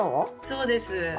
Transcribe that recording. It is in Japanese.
そうです。